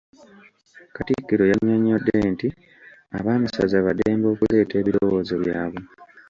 Katikkiro yanyonyodde nti ab'amasaza ba ddembe okuleeta ebirowoozo byaabwe.